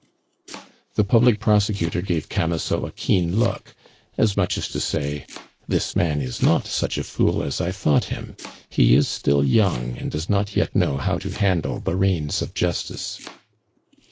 The public prosecutor gave Camusot a keen look, as much as to say, "This man is not such a fool as I thought him; he is still young, and does not yet know how to handle the reins of justice."